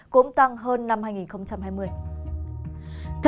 cũng tăng hơn hơn hơn